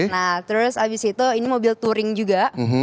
nah terus abis itu ini mobil touring juga